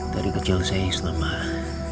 dari kecil saya islam mbak